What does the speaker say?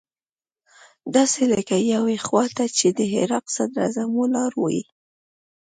داسې لکه يوې خوا ته چې د عراق صدراعظم ولاړ وي.